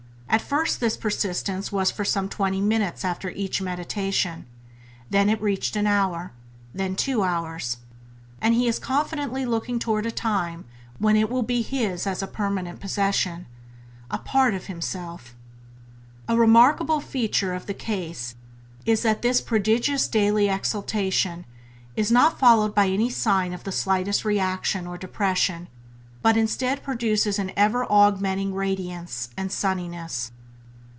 At first this persistence was for some twenty minutes after each meditation; then it reached an hour; then two hours; and he is confidently looking forward to a time when it will be his as a permanent possession — a part of himself. A remarkable feature of the case is that this prodigious daily exaltation is not followed by any sign of the slightest reaction or depression, but instead produces an ever augmenting radiance and sunniness.